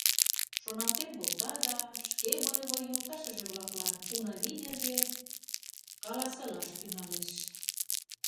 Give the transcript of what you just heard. Шоналтен колта да шке боевой йолташыже-влаклан Унавий нерген каласылаш тӱҥалеш.